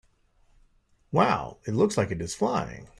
Wow! It looks like it is flying!